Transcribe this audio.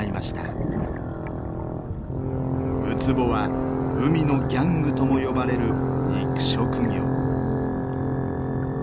ウツボは「海のギャング」とも呼ばれる肉食魚。